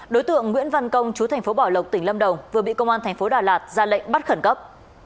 đối tượng nguyễn văn công chú thành phố bảo lộc tỉnh lâm đồng vừa bị công an thành phố đà lạt ra lệnh bắt khẩn cấp